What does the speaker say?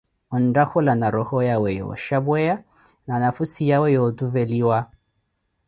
Onttakhula na rooho yawe yooxhapweya na nafhusi yawe yootuveliwa.